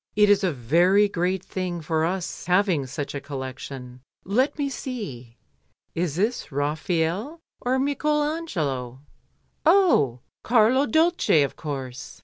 "It is a very great thing for us having such a collection. Let me see, is this Raphael or Michael Angelo? Oh! Carlo Dolce, of course."